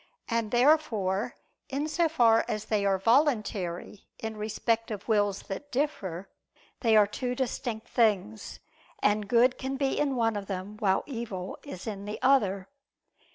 And therefore in so far as they are voluntary in respect of wills that differ, they are two distinct things, and good can be in one of them while evil is in the other.